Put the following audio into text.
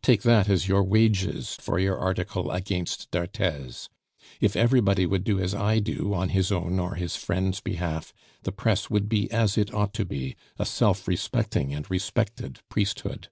"Take that as your wages for your article against d'Arthez. If everybody would do as I do on his own or his friend's behalf, the press would be as it ought to be a self respecting and respected priesthood."